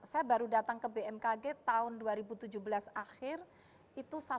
saya baru datang ke bmkg tahun dua ribu tujuh belas akhir itu satu